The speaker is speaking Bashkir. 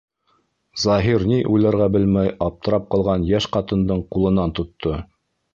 Заһир ни уйларға белмәй аптырап ҡалған йәш ҡатындың ҡулынан тотто.